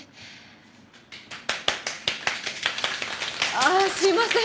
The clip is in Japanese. あっすいません。